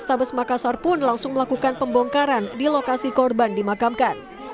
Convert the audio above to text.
stabes makassar pun langsung melakukan pembongkaran di lokasi korban dimakamkan